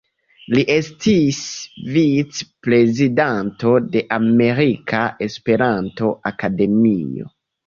Li estis vic-prezidanto de Amerika Esperanto-Akademio.